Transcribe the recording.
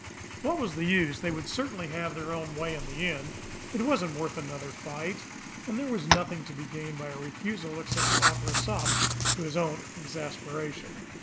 What was the use! They would certainly have their own way in the end. It wasn't worth another fight, and there was nothing to be gained by a refusal except to offer a sop to his own exasperation.